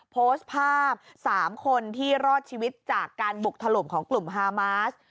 โพสต์ภาพ๓คนที่รอดชีวิตจากการบุกถล่มของกลุ่มฮามาส